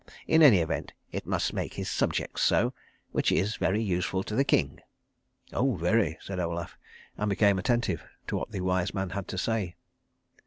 In any event it must make his subjects so, which is very useful to the king." "Oh, very," said Olaf, and became attentive to what the wise man had to say.